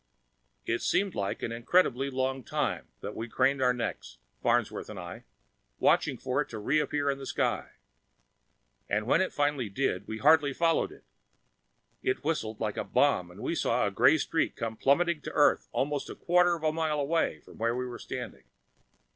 _ It seemed like an incredibly long time that we craned our necks, Farnsworth and I, watching for it to reappear in the sky. And when it finally did, we could hardly follow it. It whistled like a bomb and we saw the gray streak come plummeting to Earth almost a quarter of a mile away from where we were standing.